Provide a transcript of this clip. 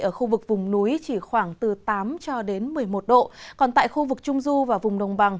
ở khu vực vùng núi chỉ khoảng từ tám cho đến một mươi một độ còn tại khu vực trung du và vùng đồng bằng